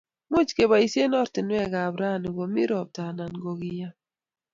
Much keboishee oratinwek ab rani komii ropta anan kokiyam